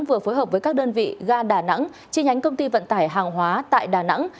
vừa phối hợp với các đơn vị ga đà nẵng chi nhánh công ty vận tải hàng hóa tại đà nẵng